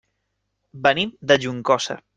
Venim de Juncosa.